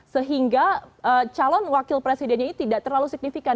sehingga calon wakil presidennya ini tidak terlalu signifikan